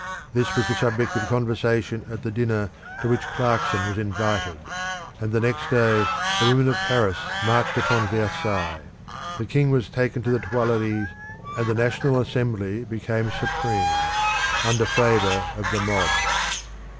This was the subject of conversation at the dinner to which Clarkson was invited; and the next day the women of Paris marched upon Versailles; the king was taken to the Tuileries and the National Assembly became supreme under favour of the mob.